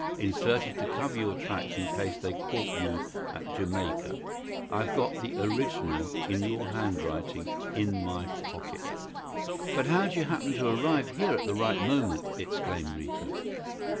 inserted to cover your tracks in case they caught you at Jamaica. I've got the original, in your handwriting, in my pocket." "But how'd you happen to arrive here at the right moment?" exclaimed Rita.